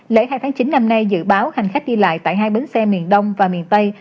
lễ hai tháng chín năm nay dự báo hành khách đi lại tại hai bến xe miền đông và miền tây